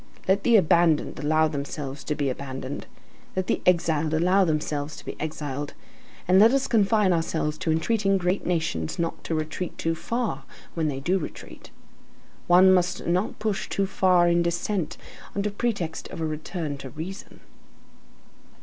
Let the abandoned allow themselves to be abandoned, let the exiled allow themselves to be exiled, and let us confine ourselves to entreating great nations not to retreat too far, when they do retreat. One must not push too far in descent under pretext of a return to reason.